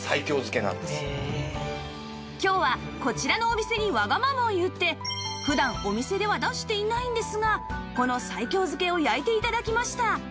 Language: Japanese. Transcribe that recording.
今日はこちらのお店にわがままを言って普段お店では出していないんですがこの西京漬けを焼いて頂きました